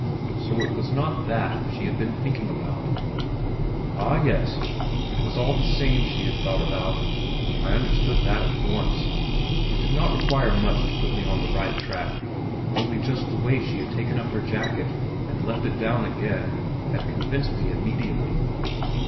So it was not that she had been thinking about? Ah, yes; it was that all the same she had thought about; I understood that at once. It did not require much to put me on the right track; only, just the way she had taken up her jacket, and left it down again, had convinced me immediately.